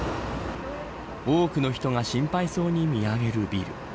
多くの人が心配そうに見上げるビル。